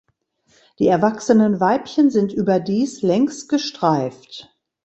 Die erwachsenen Weibchen sind überdies längsgestreift.